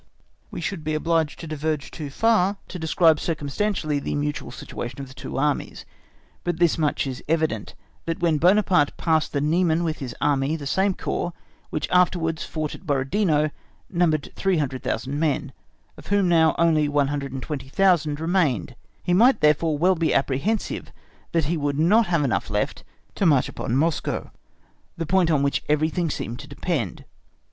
We should be obliged to diverge too far to describe circumstantially the mutual situation of the two Armies; but this much is evident, that when Buonaparte passed the Niemen with his Army the same corps which afterwards fought at Borodino numbered 300,000 men, of whom now only 120,000 remained, he might therefore well be apprehensive that he would not have enough left to march upon Moscow, the point on which everything seemed to depend.